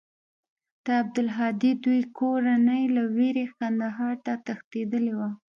د عبدالهادي دوى کورنۍ له وېرې کندهار ته تښتېدلې وه.